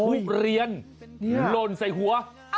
ทุเรียนหล่นใส่หัว